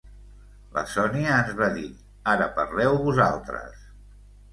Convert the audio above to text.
La Sònia ens va dir ara parleu vosaltres!